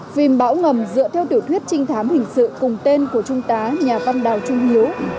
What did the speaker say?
phim bão ngầm dựa theo tiểu thuyết trinh thám hình sự cùng tên của trung tá nhà văn đào trung hiếu